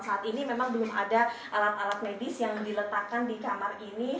saat ini memang belum ada alat alat medis yang diletakkan di kamar ini